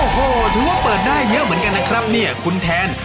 โอ้โหถือว่าเปิดได้เยอะเหมือนกันนะครับเนี่ยคุณแทน